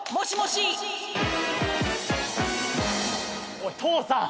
おい父さん！